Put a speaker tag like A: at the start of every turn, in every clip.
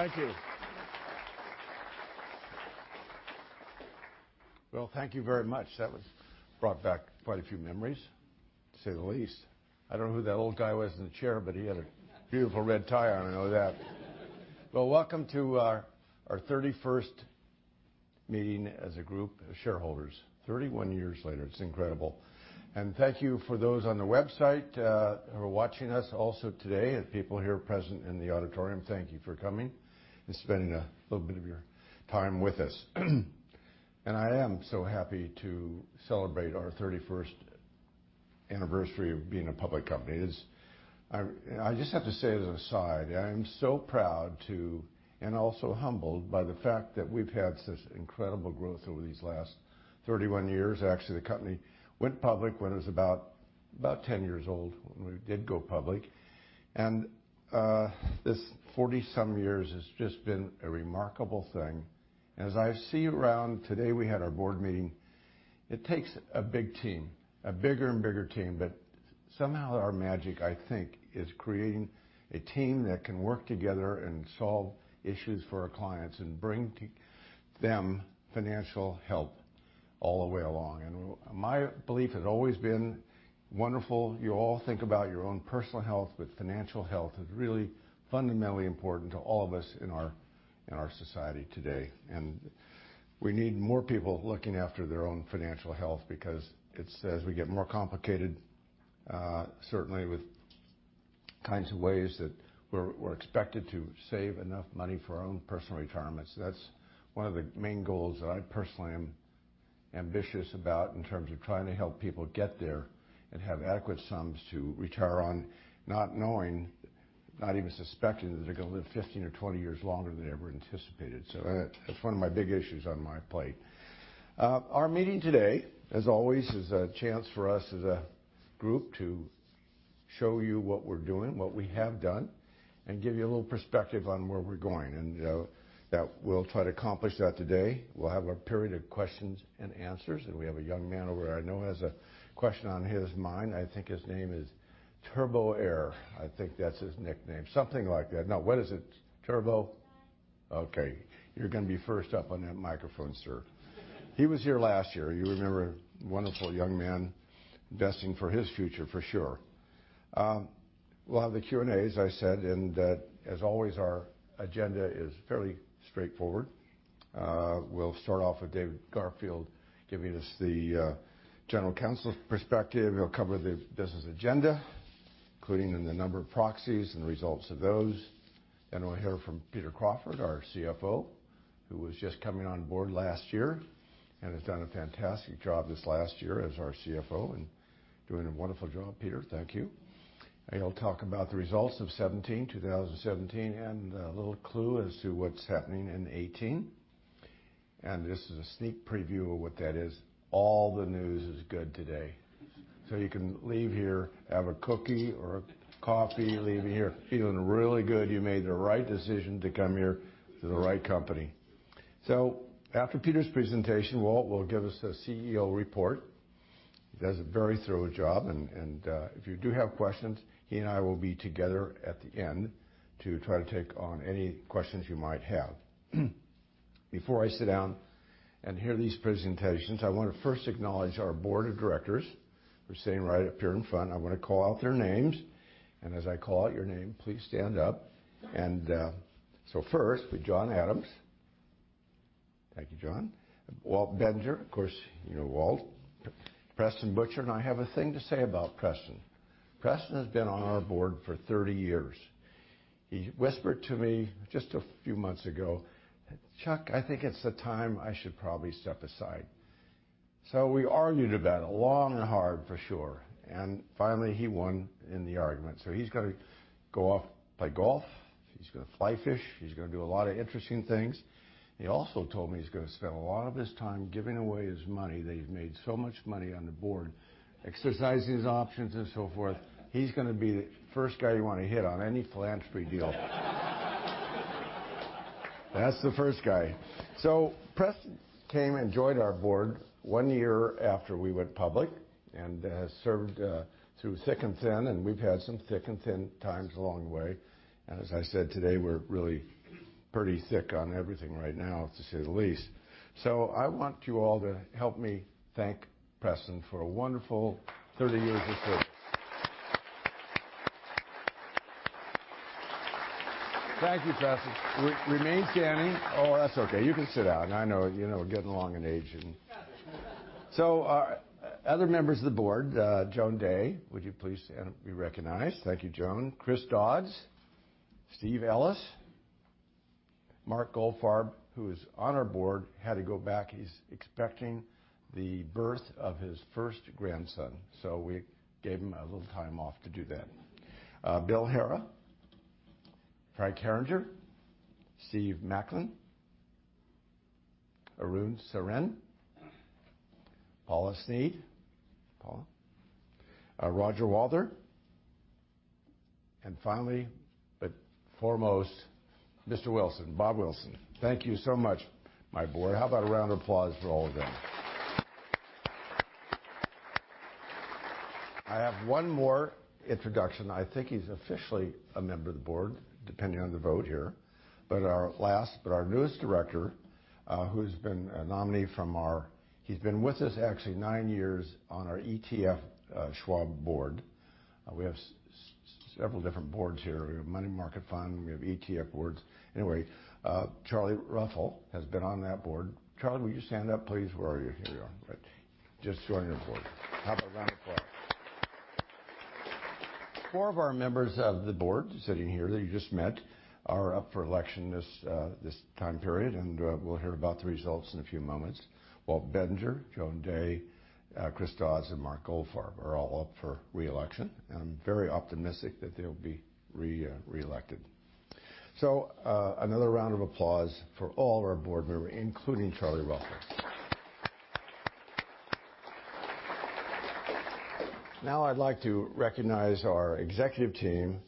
A: Thank you. Well, thank you very much. That brought back quite a few memories, to say the least. I don't know who that old guy was in the chair, but he had a beautiful red tie on, I know that. Well, welcome to our 31st meeting as a group of shareholders. 31 years later, it's incredible. Thank you for those on the website who are watching us also today and people here present in the auditorium. Thank you for coming and spending a little bit of your time with us. I am so happy to celebrate our 31st anniversary of being a public company. I just have to say as an aside, I am so proud to, and also humbled by the fact that we've had such incredible growth over these last 31 years. Actually, the company went public when it was about 10 years old when we did go public. This 40-some years has just been a remarkable thing. As I see around today, we had our board meeting. It takes a big team, a bigger and bigger team, but somehow our magic, I think, is creating a team that can work together and solve issues for our clients and bring to them financial help all the way along. My belief had always been wonderful. You all think about your own personal health, but financial health is really fundamentally important to all of us in our society today. We need more people looking after their own financial health because as we get more complicated, certainly with kinds of ways that we're expected to save enough money for our own personal retirements. That's one of the main goals that I personally am ambitious about in terms of trying to help people get there and have adequate sums to retire on, not knowing, not even suspecting that they're going to live 15 or 20 years longer than they ever anticipated. That's one of my big issues on my plate. Our meeting today, as always, is a chance for us as a group to show you what we're doing, what we have done, and give you a little perspective on where we're going and that we'll try to accomplish that today. We'll have a period of questions and answers, we have a young man over I know has a question on his mind. I think his name is Turbo Air. I think that's his nickname. Something like that. No, what is it? Turbo? Turbo. Okay, you're going to be first up on that microphone, sir. He was here last year. You remember, wonderful young man, investing for his future for sure. We'll have the Q&A, as I said, as always, our agenda is fairly straightforward. We'll start off with David Garfield giving us the general counsel perspective. He'll cover the business agenda, including the number of proxies and the results of those. We'll hear from Peter Crawford, our CFO, who was just coming on board last year and has done a fantastic job this last year as our CFO and doing a wonderful job. Peter, thank you. He'll talk about the results of 2017 and a little clue as to what's happening in '18. This is a sneak preview of what that is. All the news is good today. You can leave here, have a cookie or a coffee, leave here feeling really good. You made the right decision to come here to the right company. After Peter's presentation, Walt will give us a CEO report. He does a very thorough job, and if you do have questions, he and I will be together at the end to try to take on any questions you might have. Before I sit down and hear these presentations, I want to first acknowledge our board of directors who are sitting right up here in front. I want to call out their names. As I call out your name, please stand up. First with John Adams. Thank you, John. Walt Bettinger. Of course, you know Walt. Preston Butcher, and I have a thing to say about Preston. Preston has been on our board for 30 years. He whispered to me just a few months ago, "Chuck, I think it's the time I should probably step aside." We argued about it long and hard, for sure, finally, he won in the argument. He's going to go off play golf. He's going to fly-fish. He's going to do a lot of interesting things. He also told me he's going to spend a lot of his time giving away his money that he made so much money on the board, exercising his options and so forth. He's going to be the first guy you want to hit on any philanthropy deal. That's the first guy. Preston came and joined our board one year after we went public and has served through thick and thin, and we've had some thick and thin times along the way. As I said today, we're really pretty thick on everything right now, to say the least. I want you all to help me thank Preston for a wonderful 30 years of service. Thank you, Preston. Remain standing. Oh, that's okay. You can sit down. I know, we're getting along in age. Other members of the board, Joan Dea, would you please stand and be recognized? Thank you, Joan. Chris Dodds, Steve Ellis, Mark Goldfarb, who is on our board, had to go back. He's expecting the birth of his first grandson, so we gave him a little time off to do that. Bill Haraf, Frank Herringer, Steve McLin, Arun Sarin, Paula Sneed. Paula. Roger Walther, and finally, but foremost, Mr. Wilson, Bob Wilson. Thank you so much, my board. How about a round of applause for all of them? I have one more introduction. I think he's officially a member of the board, depending on the vote here. Our last, but our newest director. He's been with us actually nine years on our ETF Schwab board. We have several different boards here. We have money market fund, we have ETF boards. Anyway, Charlie Ruffel has been on that board. Charlie, will you stand up, please? Where are you? Here you are. Great. Just joined the board. How about a round of applause? Four of our members of the board sitting here that you just met are up for election this time period, and we'll hear about the results in a few moments. Walt Bettinger, Joan Dea, Chris Dodds, and Mark Goldfarb are all up for re-election, and I'm very optimistic that they'll be re-elected. Another round of applause for all our board members, including Charlie Ruffel. I'd like to recognize our executive team.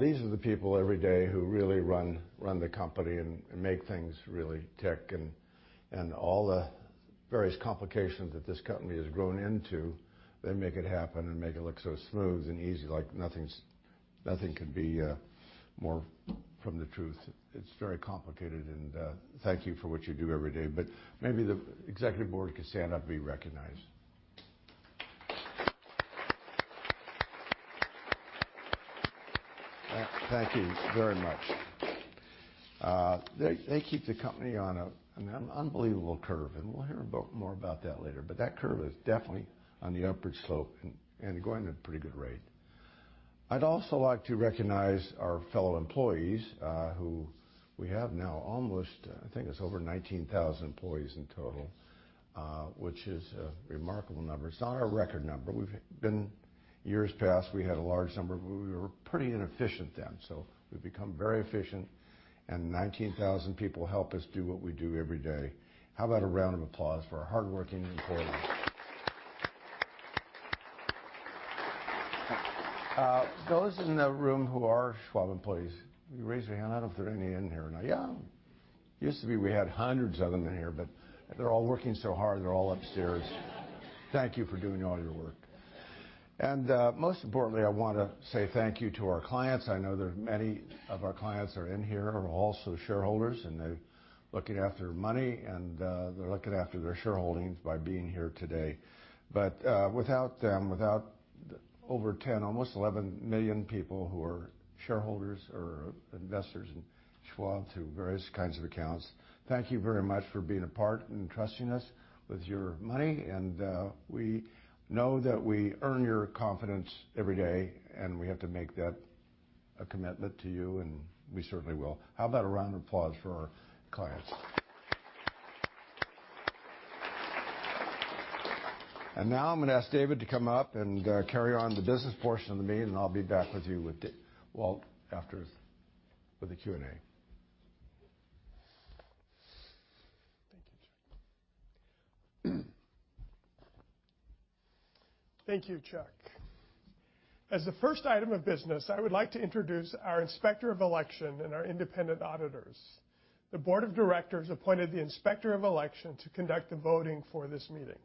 A: These are the people every day who really run the company and make things really tick and all the various complications that this company has grown into, they make it happen and make it look so smooth and easy like nothing could be more from the truth. It's very complicated and thank you for what you do every day. Maybe the executive board could stand up and be recognized. Thank you very much. They keep the company on an unbelievable curve, and we'll hear more about that later. That curve is definitely on the upward slope and going at a pretty good rate. I'd also like to recognize our fellow employees, who we have now almost, I think it's over 19,000 employees in total, which is a remarkable number. It's not our record number. Years past, we had a large number, but we were pretty inefficient then. We've become very efficient, and 19,000 people help us do what we do every day. How about a round of applause for our hardworking employees? Those in the room who are Schwab employees, will you raise your hand? I don't know if there are any in here or not. Yeah. Used to be we had hundreds of them in here, but they're all working so hard, they're all upstairs. Thank you for doing all your work. Most importantly, I want to say thank you to our clients. I know that many of our clients are in here, are also shareholders, and they're looking after money and they're looking after their shareholdings by being here today. Without them, without over 10, almost 11 million people who are shareholders or investors in Schwab through various kinds of accounts, thank you very much for being a part and trusting us with your money. We know that we earn your confidence every day, and we have to make that a commitment to you, and we certainly will. How about a round of applause for our clients? Now I'm going to ask David to come up and carry on the business portion of the meeting, and I'll be back with you with Walt after for the Q&A.
B: Thank you, Chuck. Thank you, Chuck. As the first item of business, I would like to introduce our Inspector of Election and our independent auditors. The board of directors appointed the Inspector of Election to conduct the voting for this meeting.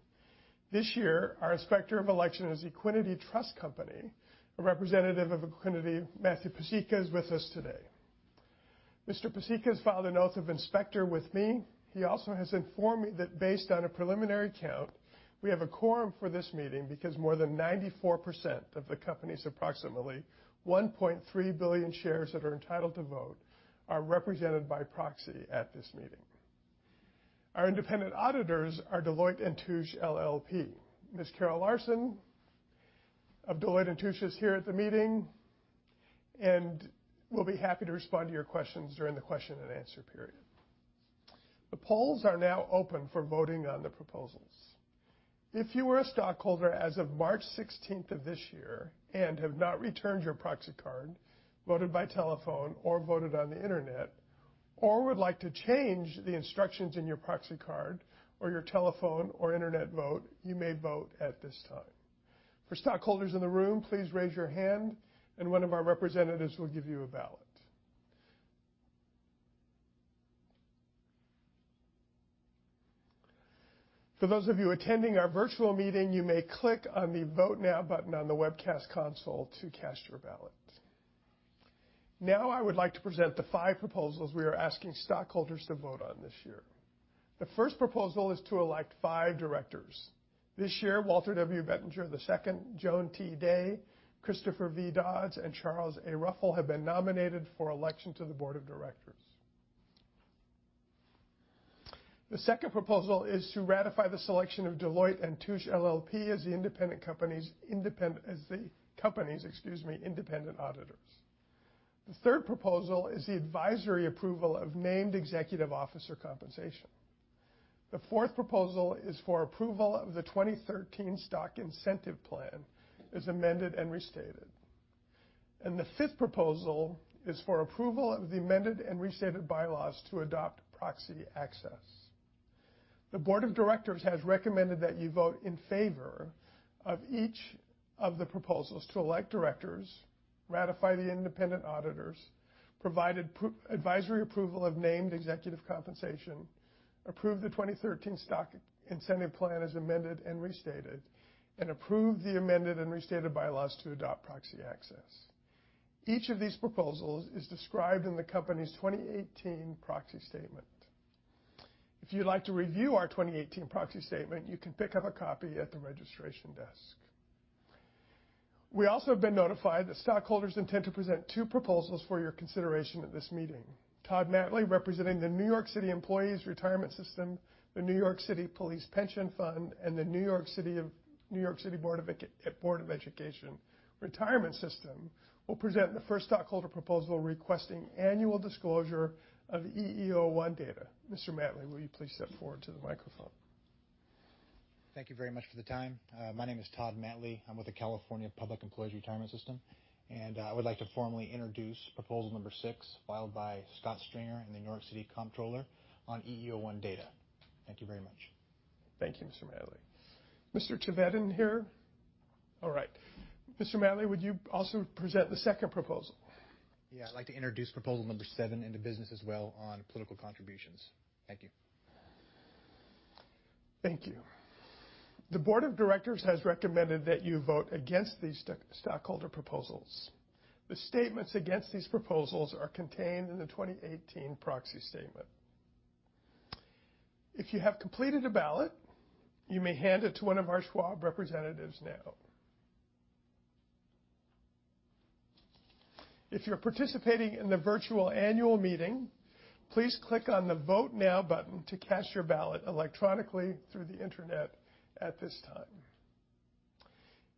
B: This year, our Inspector of Election is Equiniti Trust Company. A representative of Equiniti, Matthew Pasieka, is with us today. Mr. Pasieka has filed a note of inspector with me. He also has informed me that based on a preliminary count, we have a quorum for this meeting because more than 94% of the company's approximately 1.3 billion shares that are entitled to vote are represented by proxy at this meeting. Our independent auditors are Deloitte & Touche LLP. Ms. Carol Larson of Deloitte & Touche is here at the meeting and will be happy to respond to your questions during the question and answer period. The polls are now open for voting on the proposals. If you were a stockholder as of March 16th of this year and have not returned your proxy card, voted by telephone, or voted on the internet, or would like to change the instructions in your proxy card or your telephone or internet vote, you may vote at this time. For stockholders in the room, please raise your hand and one of our representatives will give you a ballot. For those of you attending our virtual meeting, you may click on the Vote Now button on the webcast console to cast your ballot. I would like to present the five proposals we are asking stockholders to vote on this year. The first proposal is to elect five directors. This year, Walter W. Bettinger II, Joan T. Dea, Christopher V. Dodds, and Charles A. Ruffel have been nominated for election to the board of directors. The second proposal is to ratify the selection of Deloitte & Touche LLP as the company's independent auditors. The third proposal is the advisory approval of named executive officer compensation. The fourth proposal is for approval of the 2013 Stock Incentive Plan, as amended and restated. The fifth proposal is for approval of the amended and restated bylaws to adopt proxy access. The board of directors has recommended that you vote in favor of each of the proposals to elect directors, ratify the independent auditors, provide advisory approval of named executive compensation, approve the 2013 Stock Incentive Plan as amended and restated, and approve the amended and restated bylaws to adopt proxy access. Each of these proposals is described in the company's 2018 Proxy Statement. If you'd like to review our 2018 Proxy Statement, you can pick up a copy at the registration desk. We also have been notified that stockholders intend to present two proposals for your consideration at this meeting. Todd Matley, representing the New York City Employees' Retirement System, the New York City Police Pension Fund, and the New York City Board of Education Retirement System, will present the first stockholder proposal requesting annual disclosure of EEO-1 data. Mr. Matley, will you please step forward to the microphone?
C: Thank you very much for the time. My name is Todd Matley. I'm with the California Public Employees' Retirement System. I would like to formally introduce proposal number six, filed by Scott Stringer and the New York City Comptroller on EEO-1 data. Thank you very much.
B: Thank you, Mr. Matley. Is Mr. Trevethan here? All right. Mr. Matley, would you also present the second proposal?
C: Yeah, I'd like to introduce proposal number seven into business as well on political contributions. Thank you.
B: Thank you. The board of directors has recommended that you vote against these stockholder proposals. The statements against these proposals are contained in the 2018 proxy statement. If you have completed a ballot, you may hand it to one of our Schwab representatives now. If you're participating in the virtual annual meeting, please click on the Vote Now button to cast your ballot electronically through the internet at this time.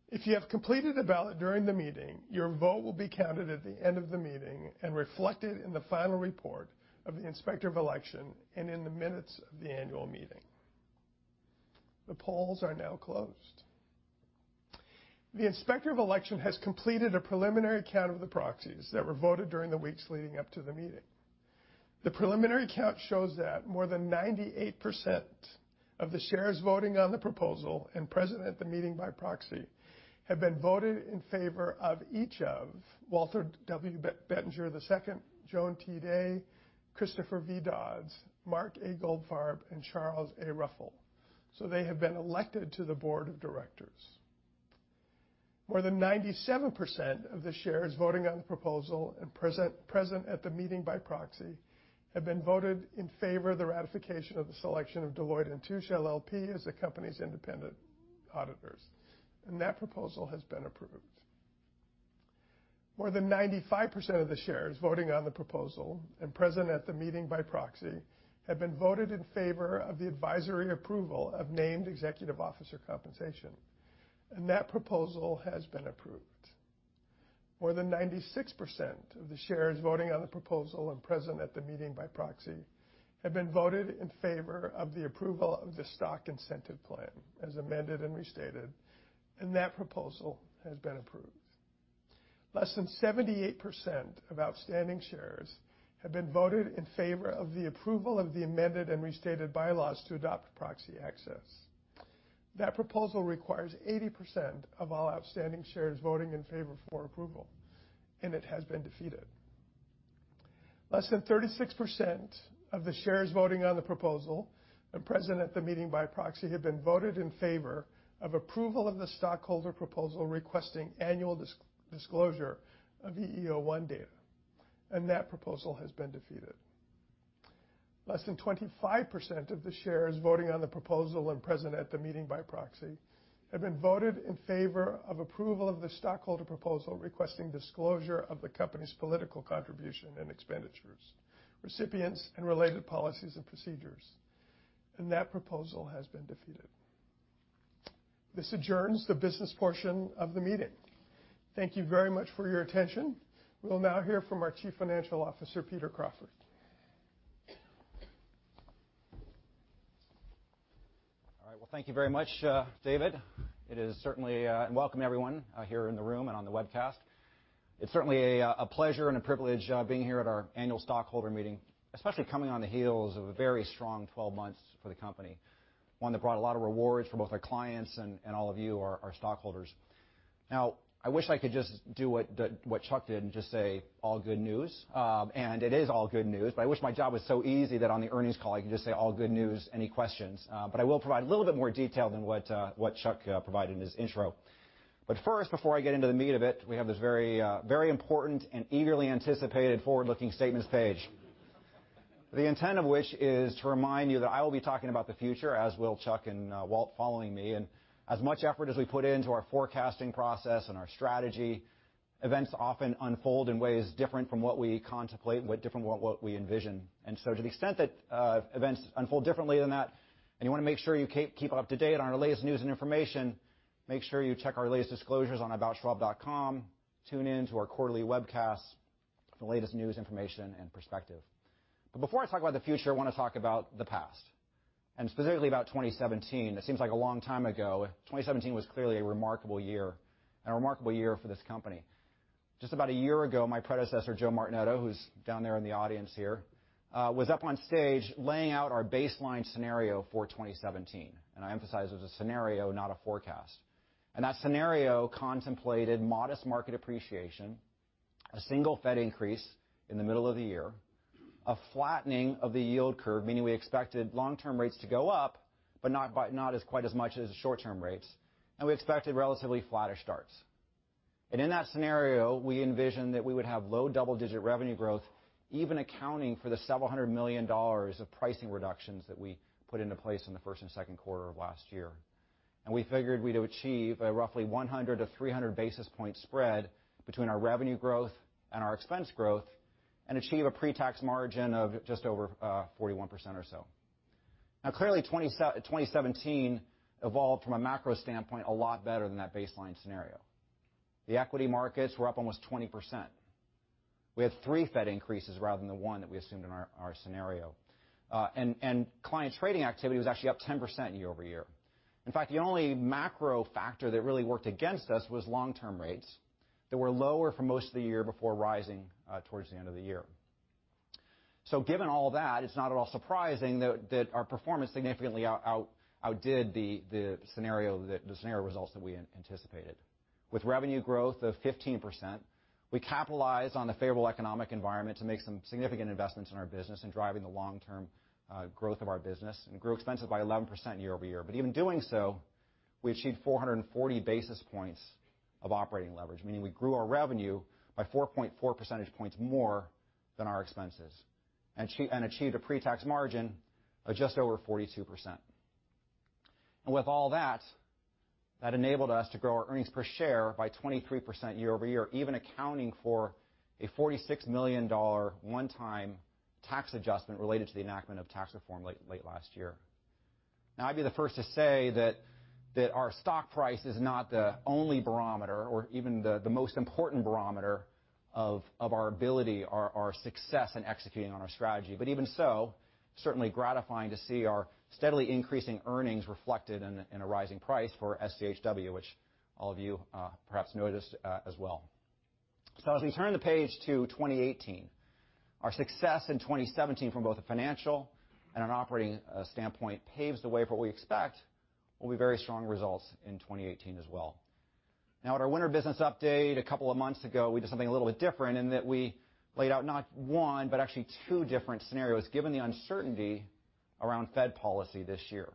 B: If you have completed a ballot during the meeting, your vote will be counted at the end of the meeting and reflected in the final report of the Inspector of Election and in the minutes of the annual meeting. The polls are now closed. The Inspector of Election has completed a preliminary count of the proxies that were voted during the weeks leading up to the meeting. The preliminary count shows that more than 98% of the shares voting on the proposal and present at the meeting by proxy have been voted in favor of each of Walter W. Bettinger II, Joan T. Dea, Christopher V. Dodds, Mark A. Goldfarb, and Charles A. Ruffel. They have been elected to the board of directors. More than 97% of the shares voting on the proposal and present at the meeting by proxy have been voted in favor of the ratification of the selection of Deloitte & Touche LLP as the company's independent auditors, that proposal has been approved. More than 95% of the shares voting on the proposal and present at the meeting by proxy have been voted in favor of the advisory approval of named executive officer compensation, that proposal has been approved. More than 96% of the shares voting on the proposal and present at the meeting by proxy have been voted in favor of the approval of the Stock Incentive Plan as amended and restated. That proposal has been approved. Less than 78% of outstanding shares have been voted in favor of the approval of the amended and restated bylaws to adopt proxy access. That proposal requires 80% of all outstanding shares voting in favor for approval. It has been defeated. Less than 36% of the shares voting on the proposal and present at the meeting by proxy have been voted in favor of approval of the stockholder proposal requesting annual disclosure of EEO-1 data. That proposal has been defeated. Less than 25% of the shares voting on the proposal and present at the meeting by proxy have been voted in favor of approval of the stockholder proposal requesting disclosure of the company's political contribution and expenditures, recipients, and related policies and procedures. That proposal has been defeated. This adjourns the business portion of the meeting. Thank you very much for your attention. We'll now hear from our Chief Financial Officer, Peter Crawford.
D: All right. Well, thank you very much, David. Welcome everyone here in the room and on the webcast. It's certainly a pleasure and a privilege being here at our annual stockholder meeting, especially coming on the heels of a very strong 12 months for the company. One that brought a lot of rewards for both our clients and all of you, our stockholders. Now, I wish I could just do what Chuck did and just say, "All good news." It is all good news, but I wish my job was so easy that on the earnings call, I could just say, "All good news. Any questions?" I will provide a little bit more detail than what Chuck provided in his intro. First, before I get into the meat of it, we have this very important and eagerly anticipated forward-looking statements page. The intent of which is to remind you that I will be talking about the future, as will Chuck and Walt following me. As much effort as we put into our forecasting process and our strategy, events often unfold in ways different from what we contemplate and different from what we envision. So to the extent that events unfold differently than that and you want to make sure you keep up to date on our latest news and information, make sure you check our latest disclosures on aboutschwab.com, tune in to our quarterly webcasts for the latest news, information, and perspective. Before I talk about the future, I want to talk about the past, and specifically about 2017. It seems like a long time ago. 2017 was clearly a remarkable year, and a remarkable year for this company. Just about a year ago, my predecessor, Joe Martinetto, who's down there in the audience here, was up on stage laying out our baseline scenario for 2017. I emphasize it was a scenario, not a forecast. That scenario contemplated modest market appreciation. A single Fed increase in the middle of the year, a flattening of the yield curve, meaning we expected long-term rates to go up, but not as quite as much as the short-term rates, and we expected relatively flatter starts. In that scenario, we envisioned that we would have low double-digit revenue growth, even accounting for the $several hundred million of pricing reductions that we put into place in the first and second quarter of last year. We figured we'd achieve a roughly 100-300 basis point spread between our revenue growth and our expense growth and achieve a pre-tax margin of just over 41% or so. Clearly 2017 evolved from a macro standpoint a lot better than that baseline scenario. The equity markets were up almost 20%. We had three Fed increases rather than the one that we assumed in our scenario. Client trading activity was actually up 10% year-over-year. In fact, the only macro factor that really worked against us was long-term rates that were lower for most of the year before rising towards the end of the year. Given all that, it's not at all surprising that our performance significantly outdid the scenario results that we anticipated. With revenue growth of 15%, we capitalized on the favorable economic environment to make some significant investments in our business and driving the long-term growth of our business and grew expenses by 11% year-over-year. Even doing so, we achieved 440 basis points of operating leverage, meaning we grew our revenue by 4.4 percentage points more than our expenses and achieved a pre-tax margin of just over 42%. With all that enabled us to grow our earnings per share by 23% year-over-year, even accounting for a $46 million one-time tax adjustment related to the enactment of tax reform late last year. I'd be the first to say that our stock price is not the only barometer or even the most important barometer of our ability, our success in executing on our strategy. Even so, certainly gratifying to see our steadily increasing earnings reflected in a rising price for SCHW, which all of you perhaps noticed as well. As we turn the page to 2018, our success in 2017 from both a financial and an operating standpoint paves the way for what we expect will be very strong results in 2018 as well. At our winter business update a couple of months ago, we did something a little bit different in that we laid out not one, but actually two different scenarios given the uncertainty around Fed policy this year.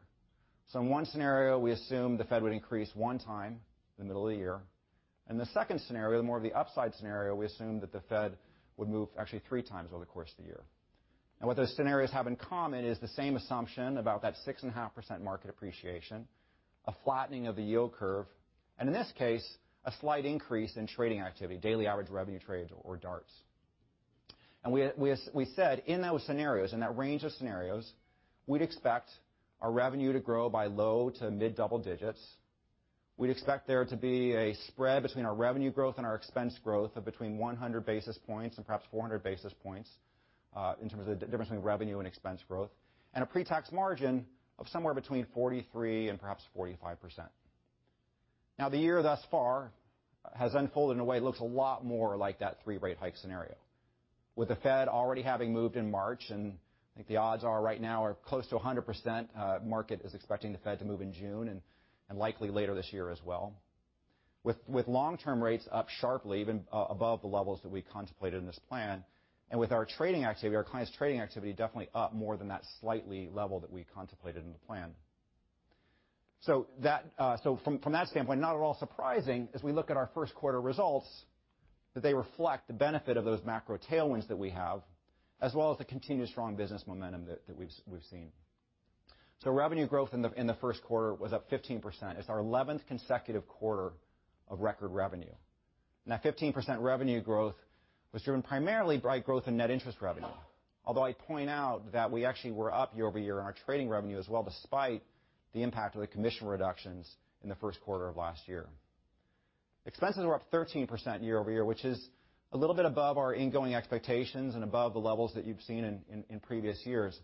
D: In one scenario, we assumed the Fed would increase one time in the middle of the year, and the second scenario, the more of the upside scenario, we assumed that the Fed would move actually three times over the course of the year. What those scenarios have in common is the same assumption about that 6.5% market appreciation, a flattening of the yield curve, and in this case, a slight increase in trading activity, daily average revenue trades or DARTs. We said in those scenarios, in that range of scenarios, we'd expect our revenue to grow by low to mid double digits. We'd expect there to be a spread between our revenue growth and our expense growth of between 100 basis points and perhaps 400 basis points, in terms of the difference between revenue and expense growth, and a pre-tax margin of somewhere between 43% and perhaps 45%. The year thus far has unfolded in a way that looks a lot more like that three-rate hike scenario. With the Fed already having moved in March, I think the odds are right now are close to 100% market is expecting the Fed to move in June and likely later this year as well. With long-term rates up sharply, even above the levels that we contemplated in this plan, and with our trading activity, our clients' trading activity definitely up more than that slightly level that we contemplated in the plan. From that standpoint, not at all surprising as we look at our first quarter results, that they reflect the benefit of those macro tailwinds that we have, as well as the continued strong business momentum that we've seen. Revenue growth in the first quarter was up 15%. It's our 11th consecutive quarter of record revenue. That 15% revenue growth was driven primarily by growth in net interest revenue. Although I point out that we actually were up year-over-year on our trading revenue as well, despite the impact of the commission reductions in the first quarter of last year. Expenses were up 13% year-over-year, which is a little bit above our ingoing expectations and above the levels that you've seen in previous years.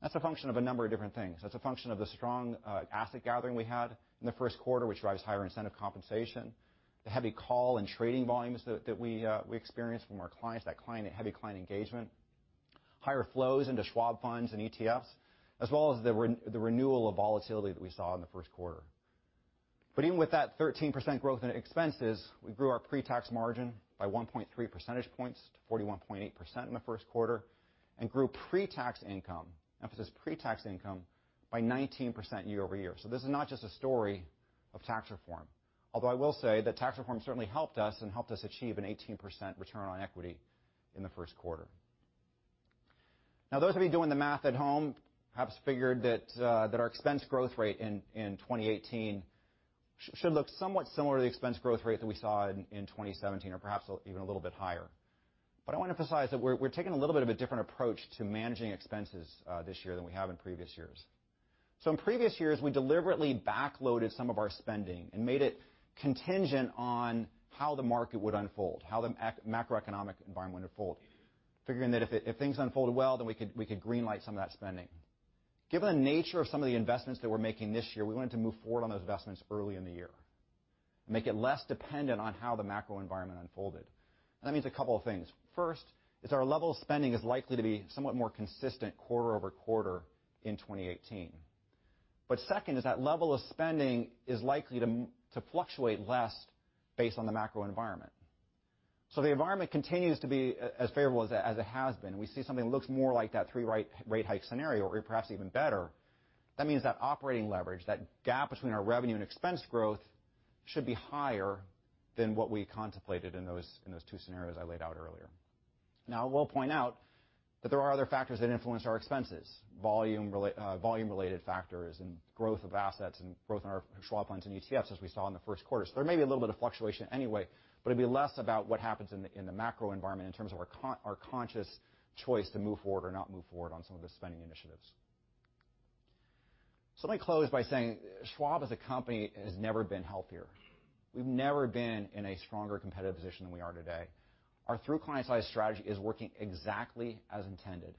D: That's a function of a number of different things. That's a function of the strong asset gathering we had in the first quarter, which drives higher incentive compensation, the heavy call and trading volumes that we experienced from our clients, that heavy client engagement, higher flows into Schwab funds and ETFs, as well as the renewal of volatility that we saw in the first quarter. Even with that 13% growth in expenses, we grew our pre-tax margin by 1.3 percentage points to 41.8% in the first quarter and grew pre-tax income, emphasis pre-tax income, by 19% year-over-year. This is not just a story of tax reform. Although I will say that tax reform certainly helped us and helped us achieve an 18% return on equity in the first quarter. Those of you doing the math at home perhaps figured that our expense growth rate in 2018 should look somewhat similar to the expense growth rate that we saw in 2017 or perhaps even a little bit higher. I want to emphasize that we're taking a little bit of a different approach to managing expenses this year than we have in previous years. In previous years, we deliberately backloaded some of our spending and made it contingent on how the market would unfold, how the macroeconomic environment would unfold, figuring that if things unfolded well, then we could green light some of that spending. Given the nature of some of the investments that we're making this year, we wanted to move forward on those investments early in the year and make it less dependent on how the macro environment unfolded. That means a couple of things. First is our level of spending is likely to be somewhat more consistent quarter-over-quarter in 2018. Second is that level of spending is likely to fluctuate less based on the macro environment. The environment continues to be as favorable as it has been. We see something that looks more like that three rate hike scenario, or perhaps even better. That means that operating leverage, that gap between our revenue and expense growth, should be higher than what we contemplated in those two scenarios I laid out earlier. I will point out that there are other factors that influence our expenses, volume-related factors and growth of assets and growth in our Schwab funds and ETFs as we saw in the first quarter. There may be a little bit of fluctuation anyway, but it'd be less about what happens in the macro environment in terms of our conscious choice to move forward or not move forward on some of the spending initiatives. Let me close by saying Schwab as a company has never been healthier. We've never been in a stronger competitive position than we are today. Our Through the Client's Eyes strategy is working exactly as intended.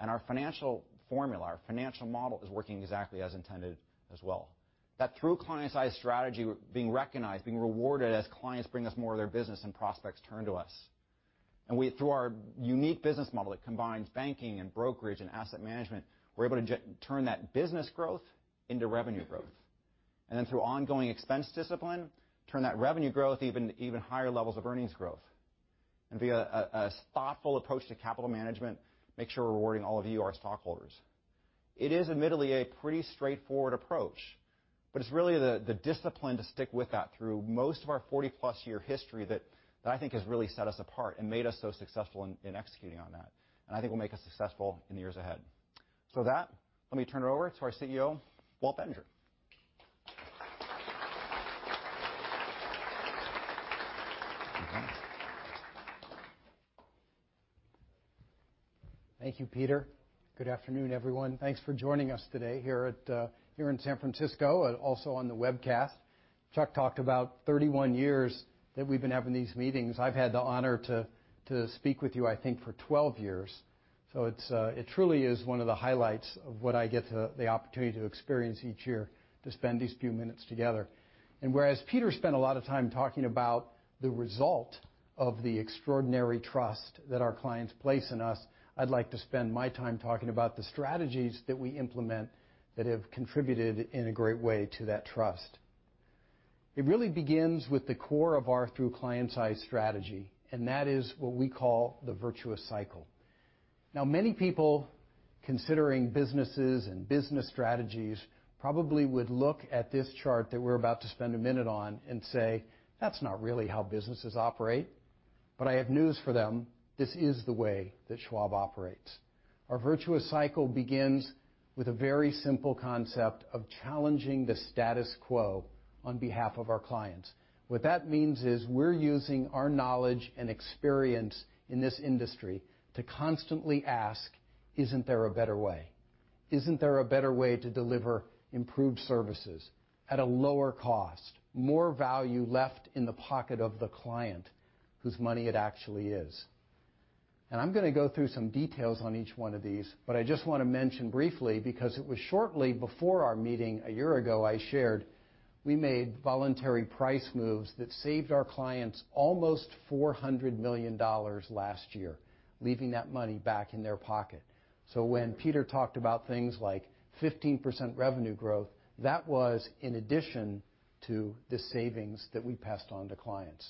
D: Our financial formula, our financial model is working exactly as intended as well. That Through the Client's Eyes strategy, we're being recognized, being rewarded as clients bring us more of their business and prospects turn to us. Through our unique business model that combines banking and brokerage and asset management, we're able to turn that business growth into revenue growth. Then through ongoing expense discipline, turn that revenue growth even higher levels of earnings growth. Via a thoughtful approach to capital management, make sure we're rewarding all of you, our stockholders. It is admittedly a pretty straightforward approach. It's really the discipline to stick with that through most of our 40-plus year history that I think has really set us apart and made us so successful in executing on that, and I think will make us successful in the years ahead. With that, let me turn it over to our CEO, Walt Bettinger.
E: Thank you. Thank you, Peter. Good afternoon, everyone. Thanks for joining us today here in San Francisco and also on the webcast. Chuck talked about 31 years that we've been having these meetings. I've had the honor to speak with you, I think, for 12 years. It truly is one of the highlights of what I get the opportunity to experience each year to spend these few minutes together. Whereas Peter spent a lot of time talking about the result of the extraordinary trust that our clients place in us, I'd like to spend my time talking about the strategies that we implement that have contributed in a great way to that trust. It really begins with the core of our Through the Client's Eyes strategy, and that is what we call the Virtuous Cycle. Now, many people considering businesses and business strategies probably would look at this chart that we're about to spend a minute on and say, "That's not really how businesses operate." I have news for them. This is the way that Schwab operates. Our Virtuous Cycle begins with a very simple concept of challenging the status quo on behalf of our clients. What that means is we're using our knowledge and experience in this industry to constantly ask, "Isn't there a better way? Isn't there a better way to deliver improved services at a lower cost, more value left in the pocket of the client whose money it actually is?" I'm going to go through some details on each one of these, but I just want to mention briefly, because it was shortly before our meeting a year ago, I shared, we made voluntary price moves that saved our clients almost $400 million last year, leaving that money back in their pocket. When Peter talked about things like 15% revenue growth, that was in addition to the savings that we passed on to clients.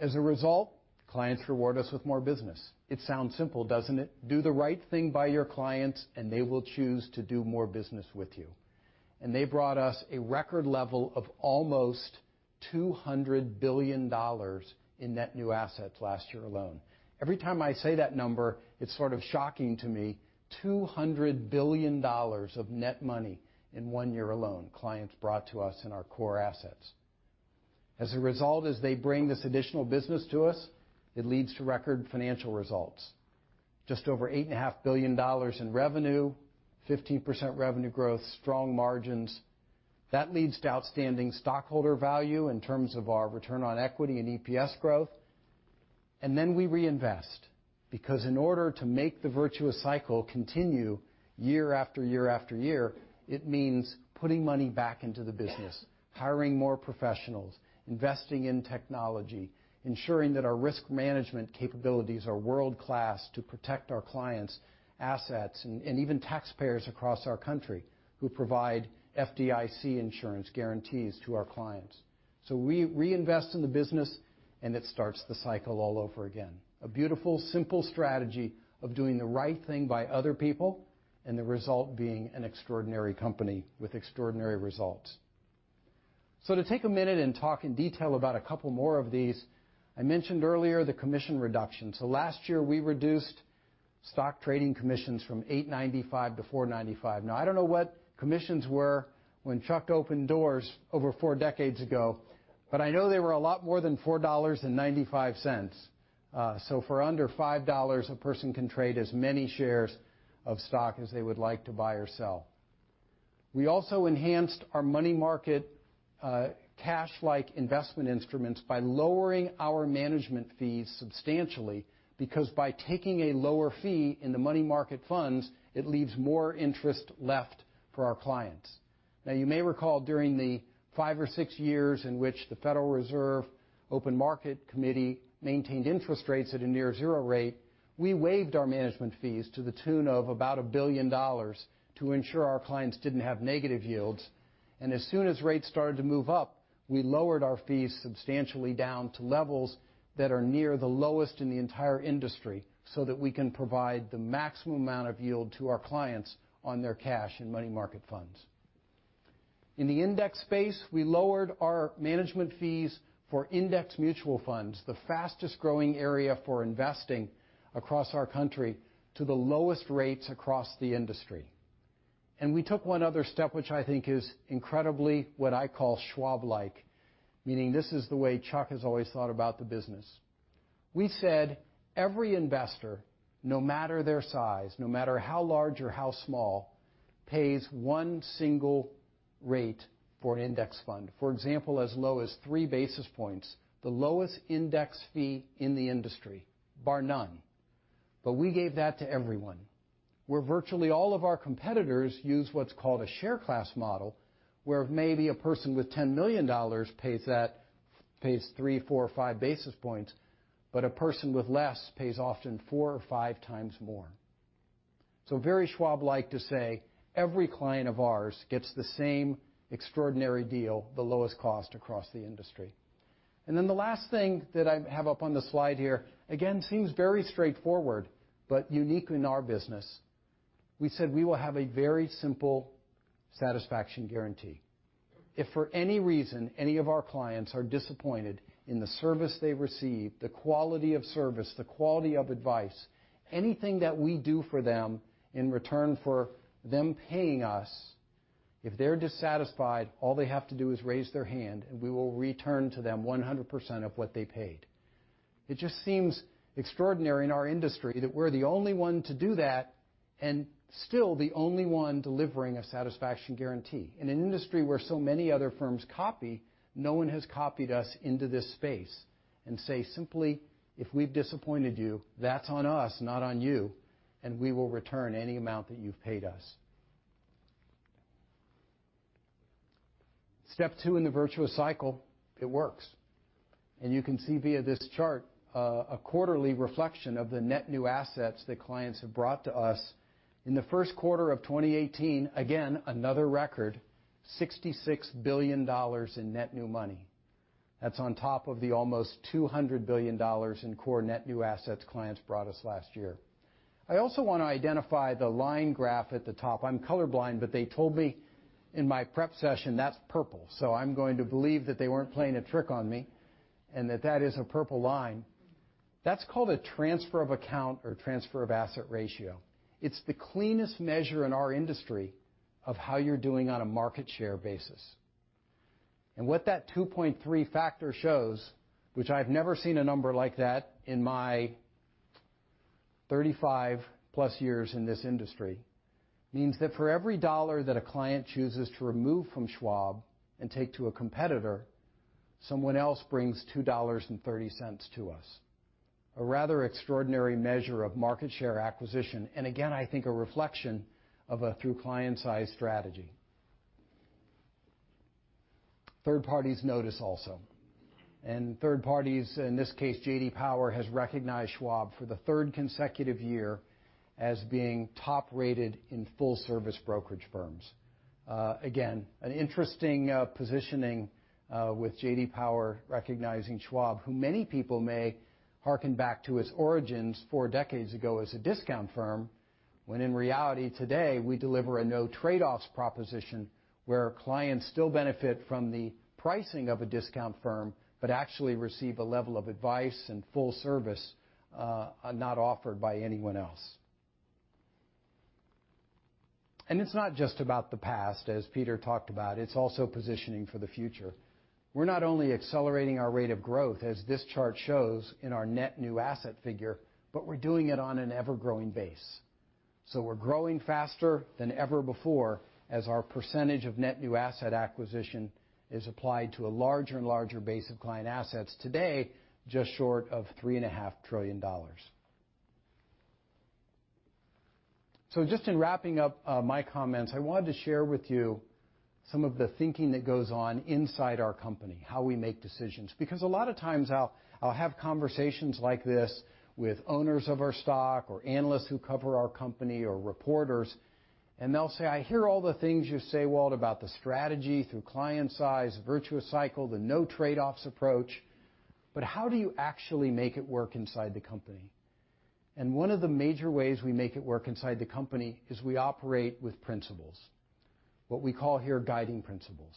E: As a result, clients reward us with more business. It sounds simple, doesn't it? Do the right thing by your clients, and they will choose to do more business with you. They brought us a record level of almost $200 billion in net new assets last year alone. Every time I say that number, it's sort of shocking to me. $200 billion of net money in one year alone, clients brought to us in our core assets. As a result, as they bring this additional business to us, it leads to record financial results. Just over $8.5 billion in revenue, 15% revenue growth, strong margins. That leads to outstanding stockholder value in terms of our return on equity and EPS growth. We reinvest, because in order to make the Virtuous Cycle continue year after year after year, it means putting money back into the business, hiring more professionals, investing in technology, ensuring that our risk management capabilities are world-class to protect our clients' assets and even taxpayers across our country who provide FDIC insurance guarantees to our clients. We reinvest in the business, and it starts the cycle all over again. A beautiful, simple strategy of doing the right thing by other people, and the result being an extraordinary company with extraordinary results. To take a minute and talk in detail about a couple more of these, I mentioned earlier the commission reduction. Last year, we reduced stock trading commissions from $8.95 to $4.95. I don't know what commissions were when Chuck opened doors over four decades ago, but I know they were a lot more than $4.95. For under $5, a person can trade as many shares of stock as they would like to buy or sell. We also enhanced our money market cash-like investment instruments by lowering our management fees substantially, because by taking a lower fee in the money market funds, it leaves more interest left for our clients. You may recall during the five or six years in which the Federal Open Market Committee maintained interest rates at a near zero rate, we waived our management fees to the tune of about $1 billion to ensure our clients didn't have negative yields. As soon as rates started to move up, we lowered our fees substantially down to levels that are near the lowest in the entire industry, so that we can provide the maximum amount of yield to our clients on their cash and money market funds. In the index space, we lowered our management fees for index mutual funds, the fastest-growing area for investing across our country, to the lowest rates across the industry. We took one other step, which I think is incredibly what I call Schwab-like, meaning this is the way Chuck has always thought about the business. We said every investor, no matter their size, no matter how large or how small, pays one single rate for an index fund. For example, as low as three basis points, the lowest index fee in the industry, bar none. We gave that to everyone, where virtually all of our competitors use what's called a share class model, where maybe a person with $10 million pays three, four, five basis points, but a person with less pays often four or five times more. Very Schwab-like to say every client of ours gets the same extraordinary deal, the lowest cost across the industry. The last thing that I have up on the slide here, again, seems very straightforward, but unique in our business. We said we will have a very simple satisfaction guarantee. If for any reason any of our clients are disappointed in the service they receive, the quality of service, the quality of advice, anything that we do for them in return for them paying us, if they're dissatisfied, all they have to do is raise their hand and we will return to them 100% of what they paid. It just seems extraordinary in our industry that we're the only one to do that and still the only one delivering a satisfaction guarantee. In an industry where so many other firms copy, no one has copied us into this space and say simply, "If we've disappointed you, that's on us, not on you, and we will return any amount that you've paid us." Step two in the Virtuous Cycle, it works. You can see via this chart, a quarterly reflection of the net new assets that clients have brought to us. In the first quarter of 2018, again, another record, $66 billion in net new money. That's on top of the almost $200 billion in core net new assets clients brought us last year. I also want to identify the line graph at the top. I'm color blind, but they told me in my prep session that's purple, so I'm going to believe that they weren't playing a trick on me, and that that is a purple line. That's called a transfer of account or transfer of asset ratio. It's the cleanest measure in our industry of how you're doing on a market share basis. What that 2.3 factor shows, which I've never seen a number like that in my 35-plus years in this industry, means that for every dollar that a client chooses to remove from Schwab and take to a competitor, someone else brings $2.30 to us. A rather extraordinary measure of market share acquisition, again, I think a reflection of a Through the Client's Eyes strategy. Third parties notice also. Third parties, in this case, J.D. Power, has recognized Schwab for the third consecutive year as being top-rated in full-service brokerage firms. Again, an interesting positioning with J.D. Power recognizing Schwab, who many people may harken back to its origins four decades ago as a discount firm, when in reality today, we deliver a no trade-offs proposition where clients still benefit from the pricing of a discount firm, but actually receive a level of advice and full service not offered by anyone else. It's not just about the past, as Peter talked about. It's also positioning for the future. We're not only accelerating our rate of growth, as this chart shows in our net new asset figure, but we're doing it on an ever-growing base. We're growing faster than ever before as our percentage of net new asset acquisition is applied to a larger and larger base of client assets. Today, just short of $3.5 trillion. Just in wrapping up my comments, I wanted to share with you some of the thinking that goes on inside our company, how we make decisions. Because a lot of times I'll have conversations like this with owners of our stock or analysts who cover our company or reporters, and they'll say, "I hear all the things you say, Walt, about the strategy Through the Client's Eyes, Virtuous Cycle, the no trade-offs approach, but how do you actually make it work inside the company?" One of the major ways we make it work inside the company is we operate with principles, what we call here guiding principles.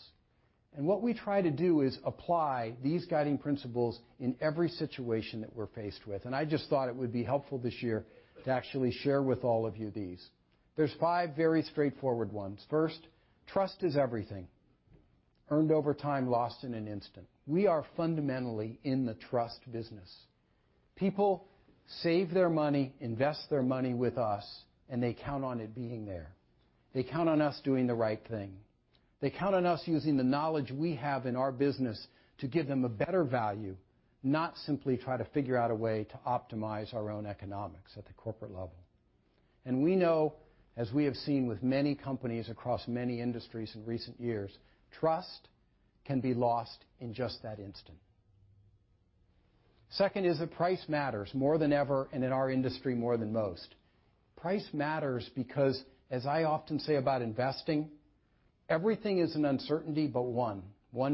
E: What we try to do is apply these guiding principles in every situation that we're faced with. I just thought it would be helpful this year to actually share with all of you these. There's five very straightforward ones. First, trust is everything. Earned over time, lost in an instant. We are fundamentally in the trust business. People save their money, invest their money with us, and they count on it being there. They count on us doing the right thing. They count on us using the knowledge we have in our business to give them a better value, not simply try to figure out a way to optimize our own economics at the corporate level. We know, as we have seen with many companies across many industries in recent years, trust can be lost in just that instant. Second is that price matters more than ever, and in our industry, more than most. Price matters because, as I often say about investing, everything is an uncertainty but one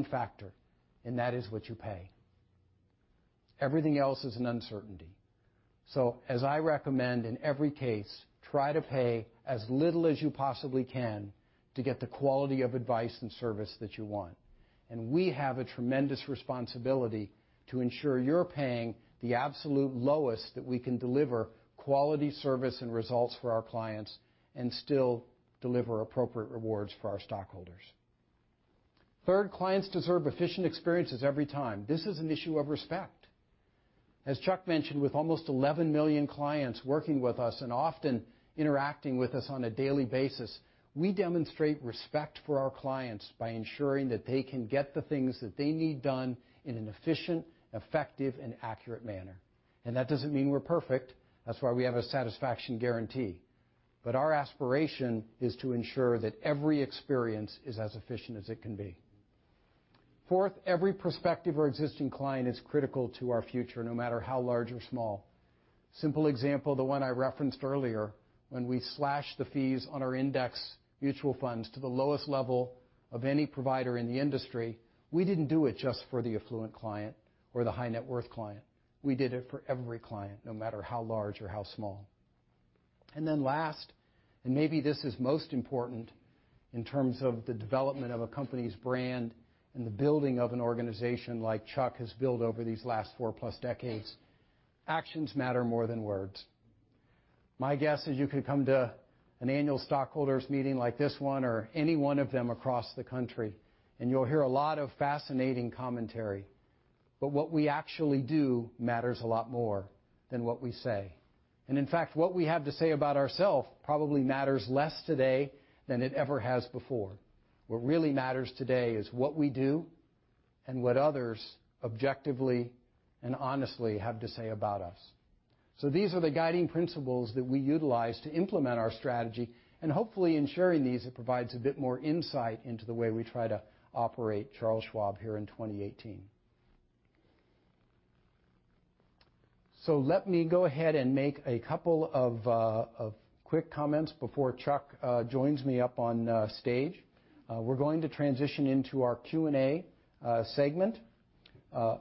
E: factor, and that is what you pay. Everything else is an uncertainty. As I recommend in every case, try to pay as little as you possibly can to get the quality of advice and service that you want. We have a tremendous responsibility to ensure you're paying the absolute lowest that we can deliver quality service and results for our clients and still deliver appropriate rewards for our stockholders. Third, clients deserve efficient experiences every time. This is an issue of respect. As Chuck mentioned, with almost 11 million clients working with us and often interacting with us on a daily basis, we demonstrate respect for our clients by ensuring that they can get the things that they need done in an efficient, effective, and accurate manner. That doesn't mean we're perfect. That's why we have a satisfaction guarantee. Our aspiration is to ensure that every experience is as efficient as it can be. Fourth, every prospective or existing client is critical to our future, no matter how large or small. Simple example, the one I referenced earlier, when we slashed the fees on our index mutual funds to the lowest level of any provider in the industry, we didn't do it just for the affluent client or the high-net-worth client. We did it for every client, no matter how large or how small. Last, and maybe this is most important in terms of the development of a company's brand and the building of an organization like Chuck has built over these last four-plus decades, actions matter more than words. My guess is you could come to an annual stockholders meeting like this one or any one of them across the country, and you'll hear a lot of fascinating commentary. What we actually do matters a lot more than what we say. In fact, what we have to say about ourself probably matters less today than it ever has before. What really matters today is what we do and what others objectively and honestly have to say about us. These are the guiding principles that we utilize to implement our strategy. Hopefully in sharing these, it provides a bit more insight into the way we try to operate Charles Schwab here in 2018. Let me go ahead and make a couple of quick comments before Chuck joins me up on stage. We're going to transition into our Q&A segment. A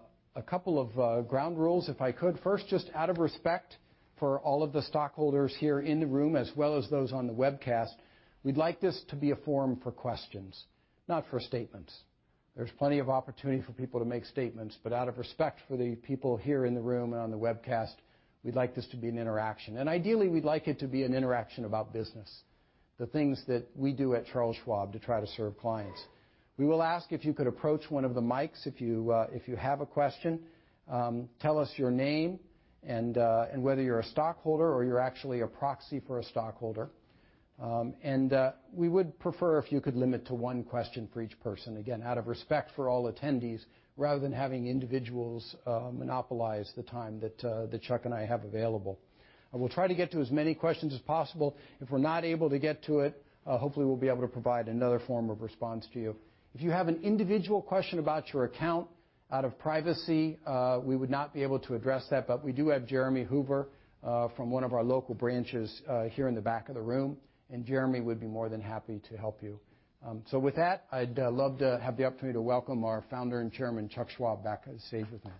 E: couple of ground rules, if I could. First, just out of respect for all of the stockholders here in the room, as well as those on the webcast, we'd like this to be a forum for questions, not for statements. There's plenty of opportunity for people to make statements, but out of respect for the people here in the room and on the webcast, we'd like this to be an interaction. Ideally, we'd like it to be an interaction about business, the things that we do at Charles Schwab to try to serve clients. We will ask if you could approach one of the mics if you have a question. Tell us your name and whether you're a stockholder or you're actually a proxy for a stockholder. We would prefer if you could limit to one question for each person, again, out of respect for all attendees, rather than having individuals monopolize the time that Chuck and I have available. We'll try to get to as many questions as possible. If we're not able to get to it, hopefully we'll be able to provide another form of response to you. If you have an individual question about your account, out of privacy, we would not be able to address that. We do have Jeremy Hoover from one of our local branches here in the back of the room, and Jeremy would be more than happy to help you. With that, I'd love to have the opportunity to welcome our founder and chairman, Chuck Schwab, back on stage with me.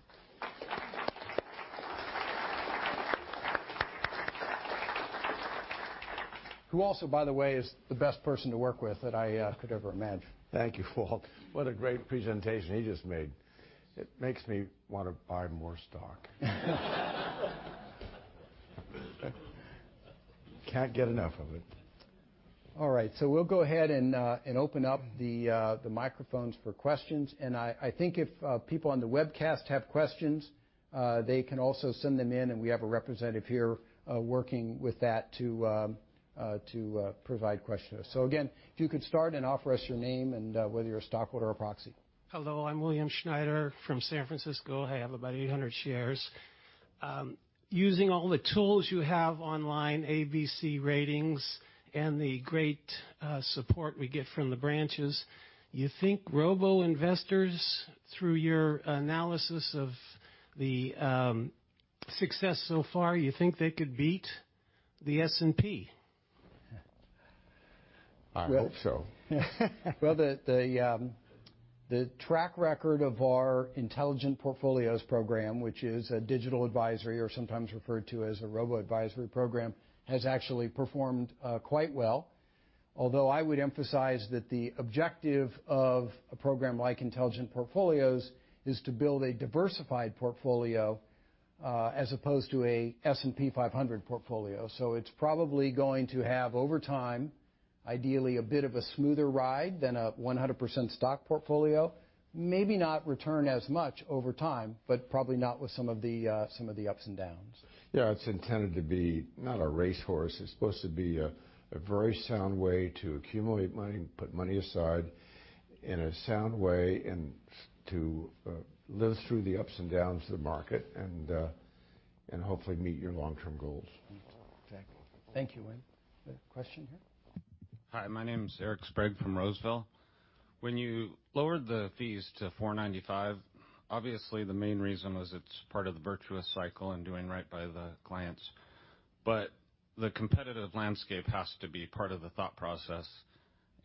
E: Who also, by the way, is the best person to work with that I could ever imagine.
A: Thank you, Walt. What a great presentation he just made. It makes me want to buy more stock. Can't get enough of it.
E: All right, we'll go ahead and open up the microphones for questions. I think if people on the webcast have questions, they can also send them in, and we have a representative here working with that to provide questions. Again, if you could start and offer us your name and whether you're a stockholder or proxy. Hello, I'm William Schneider from San Francisco. I have about 800 shares. Using all the tools you have online, ABC ratings, and the great support we get from the branches, you think robo-investors, through your analysis of the success so far, you think they could beat the S&P?
A: I hope so.
E: Well, the track record of our Intelligent Portfolios program, which is a digital advisory or sometimes referred to as a robo advisory program, has actually performed quite well. Although I would emphasize that the objective of a program like Intelligent Portfolios is to build a diversified portfolio as opposed to a S&P 500 portfolio. It's probably going to have, over time, ideally a bit of a smoother ride than a 100% stock portfolio. Maybe not return as much over time, but probably not with some of the ups and downs.
A: Yeah, it's intended to be not a racehorse. It's supposed to be a very sound way to accumulate money, put money aside in a sound way, and to live through the ups and downs of the market, and hopefully meet your long-term goals.
E: Exactly. Thank you, William. Question here? Hi, my name is Eric Sprague from Roseville. When you lowered the fees to $4.95, obviously, the main reason was it's part of the Virtuous Cycle and doing right by the clients. The competitive landscape has to be part of the thought process.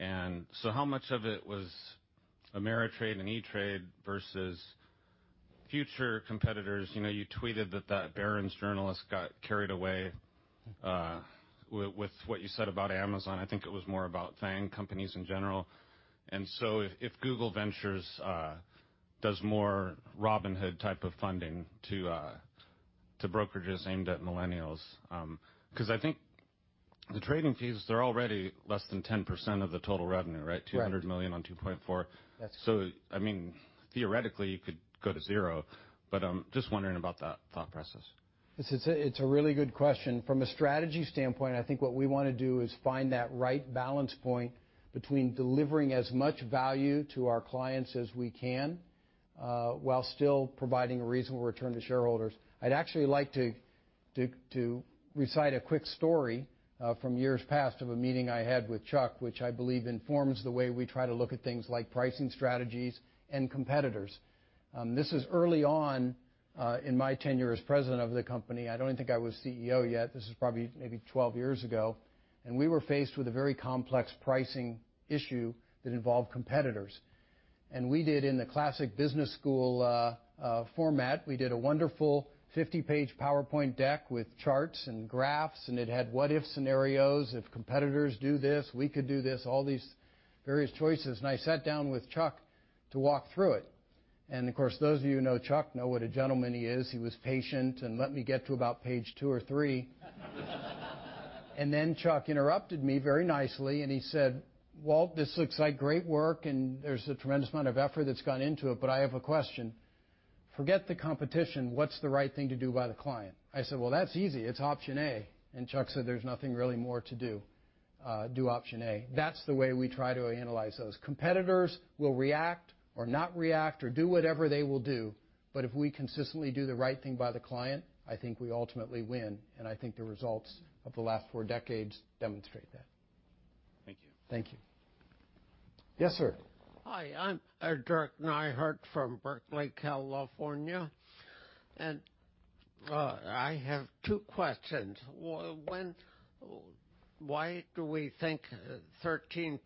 E: How much of it was Ameritrade and E*TRADE versus future competitors? You tweeted that that Barron's journalist got carried away with what you said about Amazon. I think it was more about FAANG companies in general. If Google Ventures does more Robinhood type of funding to brokerages aimed at millennials, because I think the trading fees, they're already less than 10% of the total revenue, right? Right. $200 million on $2.4. That's right. theoretically, you could go to zero, but I'm just wondering about that thought process. It's a really good question. From a strategy standpoint, I think what we want to do is find that right balance point between delivering as much value to our clients as we can, while still providing a reasonable return to shareholders. I'd actually like to recite a quick story from years past of a meeting I had with Chuck, which I believe informs the way we try to look at things like pricing strategies and competitors. This is early on in my tenure as president of the company. I don't even think I was CEO yet. This is probably maybe 12 years ago, and we were faced with a very complex pricing issue that involved competitors. We did in the classic business school format, we did a wonderful 50-page PowerPoint deck with charts and graphs, and it had what-if scenarios. If competitors do this, we could do this, all these various choices. I sat down with Chuck to walk through it. Of course, those of you who know Chuck know what a gentleman he is. He was patient and let me get to about page two or three. Then Chuck interrupted me very nicely, and he said, "Walt, this looks like great work, and there's a tremendous amount of effort that's gone into it. I have a question. Forget the competition. What's the right thing to do by the client?" I said, "Well, that's easy. It's option A." Chuck said, "There's nothing really more to do. Do option A." That's the way we try to analyze those. Competitors will react or not react or do whatever they will do. If we consistently do the right thing by the client, I think we ultimately win. I think the results of the last four decades demonstrate that. Thank you. Thank you. Yes, sir. Hi, I'm Dirk Nyhart from Berkeley, California, and I have two questions. Why do we think 13%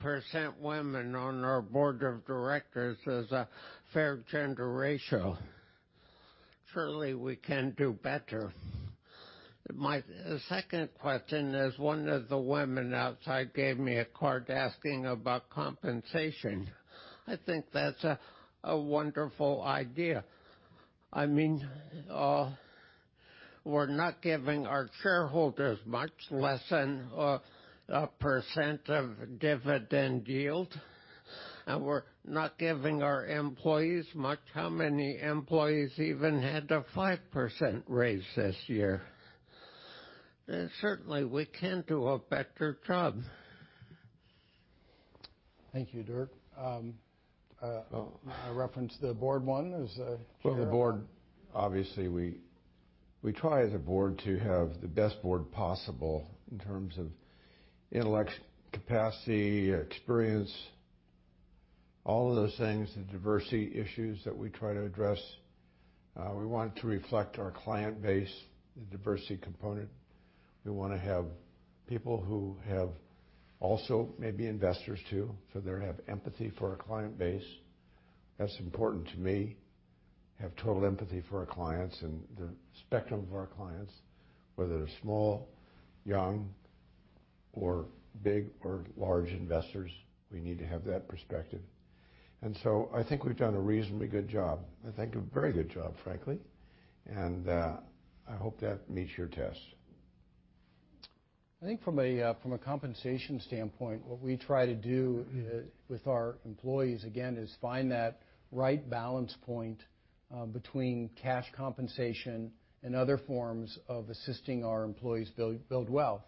E: women on our board of directors is a fair gender ratio? Surely, we can do better. My second question is, one of the women outside gave me a card asking about compensation. I think that's a wonderful idea. We're not giving our shareholders much, less than 1% of dividend yield, and we're not giving our employees much. How many employees even had a 5% raise this year? Certainly, we can do a better job. Thank you, Dirk. A reference to the board one is, Chair?
A: Well, the board, obviously, we try as a board to have the best board possible in terms of intellectual capacity, experience, all of those things, the diversity issues that we try to address. We want it to reflect our client base, the diversity component. We want to have people who have also may be investors, too, so they have empathy for our client base. That's important to me, have total empathy for our clients and the spectrum of our clients, whether they're small, young, or big or large investors. We need to have that perspective. I think we've done a reasonably good job. I think a very good job, frankly, and I hope that meets your test.
E: I think from a compensation standpoint, what we try to do with our employees, again, is find that right balance point between cash compensation and other forms of assisting our employees build wealth.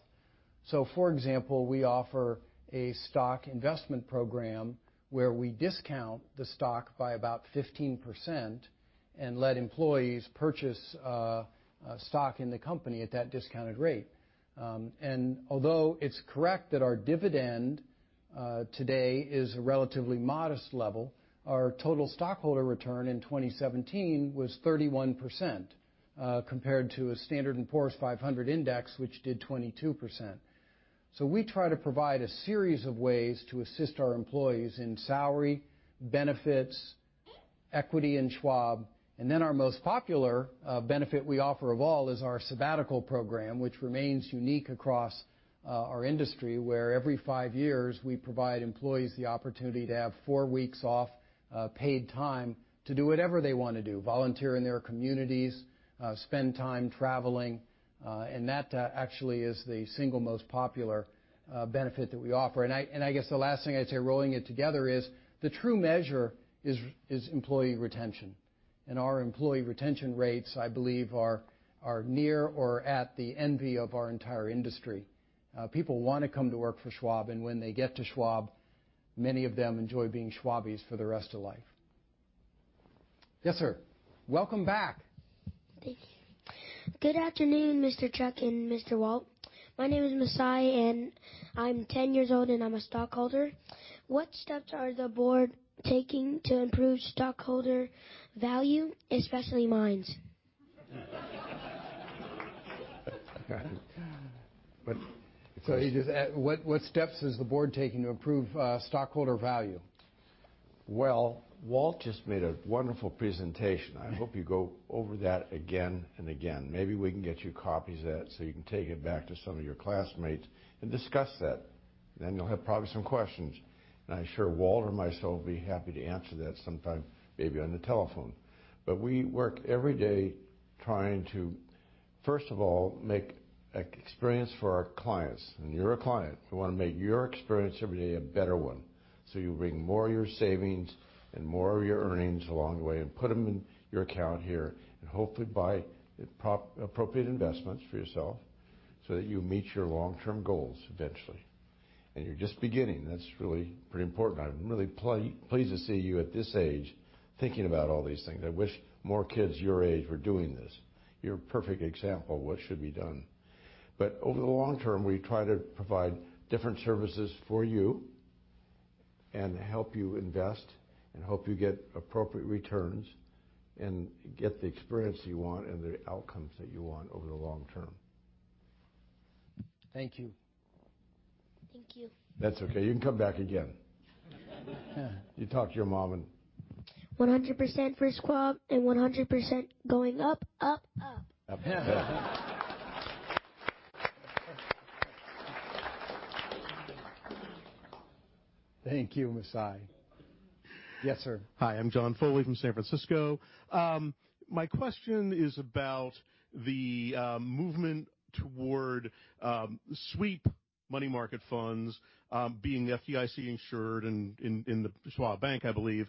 E: For example, we offer a stock investment program where we discount the stock by about 15% and let employees purchase stock in the company at that discounted rate. Although it's correct that our dividend today is a relatively modest level, our total stockholder return in 2017 was 31%, compared to a Standard & Poor's 500 index, which did 22%. We try to provide a series of ways to assist our employees in salary, benefits, equity in Schwab. Our most popular benefit we offer of all is our sabbatical program, which remains unique across our industry, where every five years, we provide employees the opportunity to have four weeks off, paid time to do whatever they want to do, volunteer in their communities, spend time traveling. That actually is the single most popular benefit that we offer. I guess the last thing I'd say, rolling it together is, the true measure is employee retention. Our employee retention rates, I believe, are near or at the envy of our entire industry. People want to come to work for Schwab, and when they get to Schwab, many of them enjoy being Schwabies for the rest of life.
A: Yes, sir. Welcome back. Thank you. Good afternoon, Mr. Chuck and Mr. Walt. My name is Messiah, and I'm 10 years old, and I'm a stockholder. What steps are the board taking to improve stockholder value, especially mine? Go ahead.
E: He just asked, what steps is the board taking to improve stockholder value?
A: Walt just made a wonderful presentation. I hope you go over that again and again. Maybe we can get you copies of that so you can take it back to some of your classmates and discuss that. You'll have probably some questions, and I'm sure Walt or myself will be happy to answer that sometime, maybe on the telephone. We work every day trying to, first of all, make experience for our clients, and you're a client. We want to make your experience every day a better one, so you bring more of your savings and more of your earnings along the way and put them in your account here and hopefully buy appropriate investments for yourself so that you meet your long-term goals eventually. You're just beginning. That's really pretty important. I'm really pleased to see you at this age, thinking about all these things. I wish more kids your age were doing this. You're a perfect example of what should be done. Over the long term, we try to provide different services for you and help you invest and help you get appropriate returns and get the experience that you want and the outcomes that you want over the long term.
E: Thank you. Thank you.
A: That's okay. You can come back again. You talk to your mom. 100% for Schwab and 100% going up, up.
E: Up. Thank you, Messiah. Yes, sir. Hi, I'm John Foley from San Francisco. My question is about the movement toward sweep money market funds, being FDIC insured and in the Schwab Bank, I believe.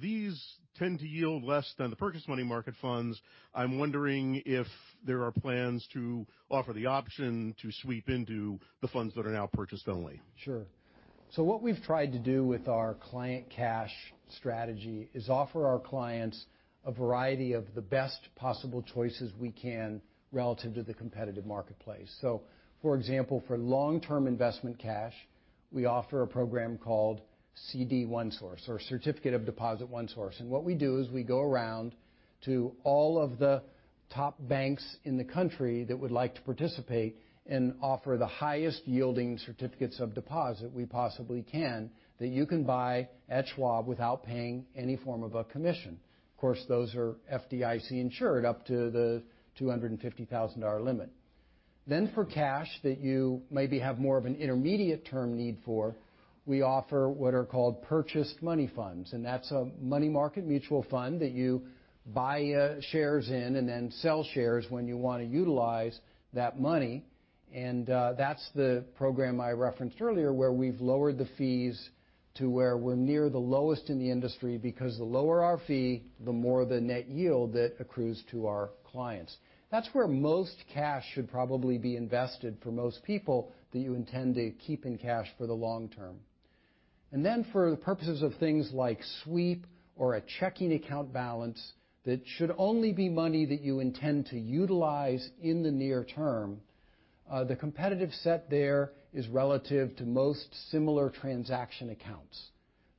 E: These tend to yield less than the purchase money market funds. I'm wondering if there are plans to offer the option to sweep into the funds that are now purchased only. What we've tried to do with our client cash strategy is offer our clients a variety of the best possible choices we can relative to the competitive marketplace. For example, for long-term investment cash, we offer a program called CD OneSource or Certificate of Deposit OneSource. What we do is we go around to all of the top banks in the country that would like to participate and offer the highest yielding certificates of deposit we possibly can that you can buy at Schwab without paying any form of a commission. Of course, those are FDIC insured up to the $250,000 limit. For cash that you maybe have more of an intermediate term need for, we offer what are called purchased money funds, that's a money market mutual fund that you buy shares in and then sell shares when you want to utilize that money. That's the program I referenced earlier where we've lowered the fees to where we're near the lowest in the industry because the lower our fee, the more the net yield that accrues to our clients. That's where most cash should probably be invested for most people that you intend to keep in cash for the long term. For the purposes of things like sweep or a checking account balance, that should only be money that you intend to utilize in the near term. The competitive set there is relative to most similar transaction accounts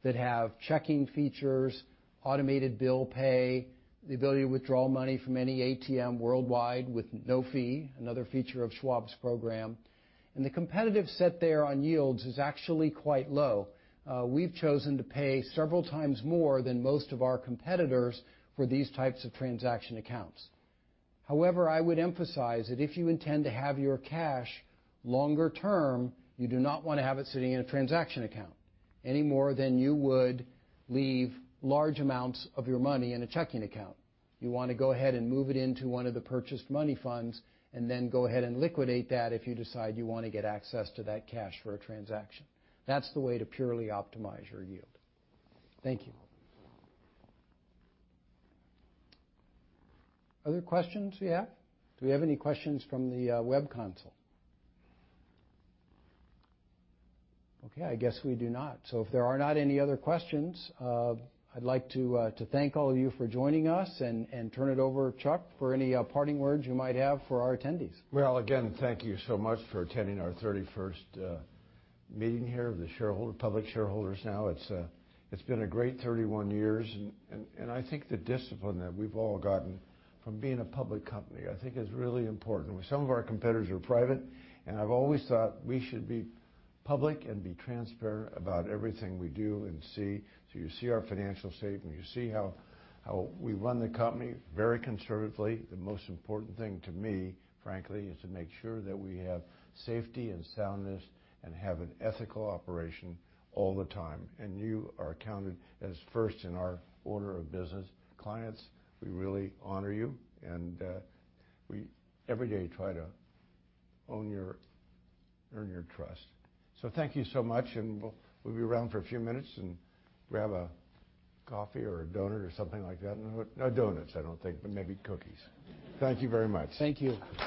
E: that have checking features, automated bill pay, the ability to withdraw money from any ATM worldwide with no fee, another feature of Schwab's program. The competitive set there on yields is actually quite low. We've chosen to pay several times more than most of our competitors for these types of transaction accounts. However, I would emphasize that if you intend to have your cash longer term, you do not want to have it sitting in a transaction account any more than you would leave large amounts of your money in a checking account. You want to go ahead and move it into one of the purchased money funds and then go ahead and liquidate that if you decide you want to get access to that cash for a transaction. That's the way to purely optimize your yield. Thank you. Other questions we have? Do we have any questions from the web console? Okay, I guess we do not. If there are not any other questions, I'd like to thank all of you for joining us and turn it over, Chuck, for any parting words you might have for our attendees.
A: Again, thank you so much for attending our 31st meeting here of the shareholder, public shareholders now. It's been a great 31 years. I think the discipline that we've all gotten from being a public company, I think is really important. Some of our competitors are private. I've always thought we should be public and be transparent about everything we do and see. You see our financial statement, you see how we run the company very conservatively. The most important thing to me, frankly, is to make sure that we have safety and soundness and have an ethical operation all the time. You are counted as first in our order of business. Clients, we really honor you. We every day try to earn your trust. Thank you so much. We'll be around for a few minutes and grab a coffee or a donut or something like that. No donuts, I don't think. Maybe cookies. Thank you very much.
E: Thank you.